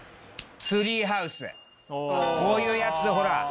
こういうやつほら。